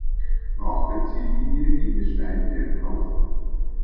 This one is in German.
Nach der Ziellinie ging es steil bergauf.